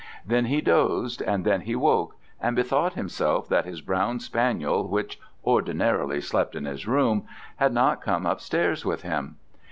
Then he dozed, and then he woke, and bethought himself that his brown spaniel, which ordinarily slept in his room, had not come upstairs with him.